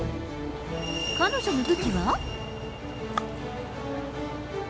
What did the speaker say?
彼女の武器は。